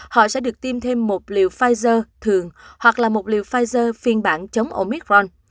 họ sẽ được tìm thêm một liều pfizer thường hoặc là một liều pfizer phiên bản chống omicron